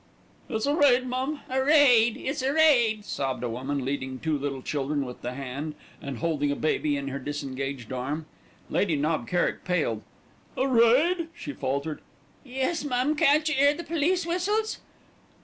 "It's a raid, mum, a raid; it's a raid," sobbed a woman, leading two little children with the hand and holding a baby in her disengaged arm. Lady Knob Kerrick paled. "A raid!" she faltered. "Yes, mum, can't you 'ear the police whistles?"